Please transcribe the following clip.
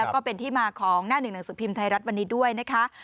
ก็เป็นที่มาของหน้าหนึ่งหนังสือพิมพ์ไทยรัฐวันนี้ด้วยนะคะ